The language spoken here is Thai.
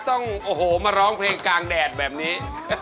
ต้องโอ้โหมาร้องเพลงกลางแดดแบบนี้